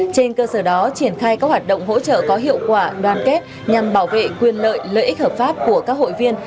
trên cơ sở đó triển khai các hoạt động hỗ trợ có hiệu quả đoàn kết nhằm bảo vệ quyền lợi lợi ích hợp pháp của các hội viên